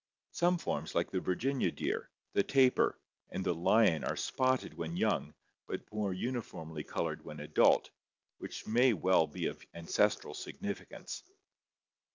Some forms like the Virginia deer, the tapir, and the lion are spotted when young but more uniformly colored when adult, which may well be of ancestral significance.